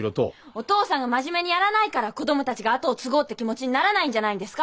お父さんがまじめにやらないから子供たちが後を継ごうって気持ちにならないんじゃないですか？